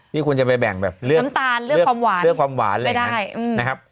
นี่คุณจะไปแบ่งแบบเลือกความหวานเลยนะครับ